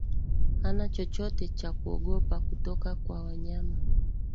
hana chochote cha kuogopa kutoka kwa wanyama